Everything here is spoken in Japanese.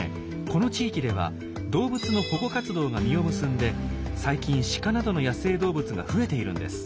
この地域では動物の保護活動が実を結んで最近シカなどの野生動物が増えているんです。